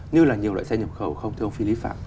như là nhiều loại xe nhập khẩu không thưa ông phi lý phạm